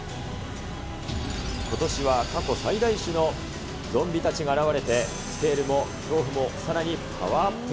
ことしは過去最多種のゾンビたちが現れて、スケールも恐怖もさらにパワーアップ。